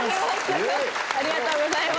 ありがとうございます！